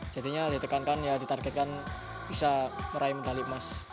jadinya ditekankan ya ditargetkan bisa meraih medali emas